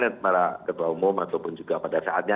para ketua umum ataupun juga pada saatnya